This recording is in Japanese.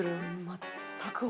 全く。